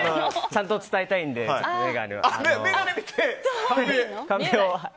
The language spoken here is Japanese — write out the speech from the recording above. ちゃんと伝えたいので眼鏡を。